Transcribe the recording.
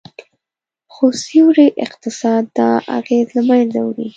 خو سیوري اقتصاد دا اغیز له منځه وړي